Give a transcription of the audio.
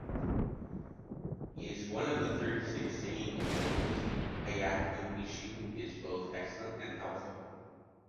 Is one of the thirty-six singing immortals. Hyakunin Isshu is both excellent and helpful.